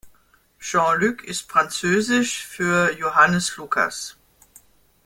Jean-Luc ist Französisch für Johannes-Lukas.